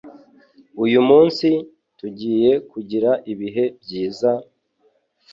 Uyu munsi, tugiye kugira ibihe byiza!